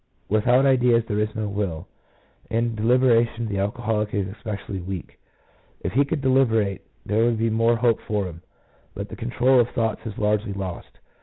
Without ideals there is no will. In de liberation the alcoholic is especially weak. If he could deliberate, there would be more hope for him, but the control of thoughts is largely lost.